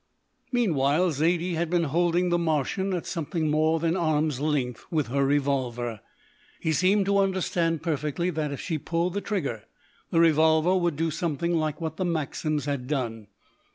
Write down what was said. Meanwhile, Zaidie had been holding the Martian at something more than arm's length with her revolver. He seemed to understand perfectly that, if she pulled the trigger, the revolver would do something like what the Maxims had done.